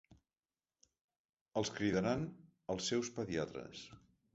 Els cridaran els seus pediatres.